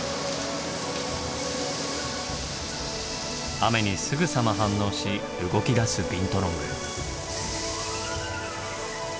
雨にすぐさま反応し動きだすビントロング。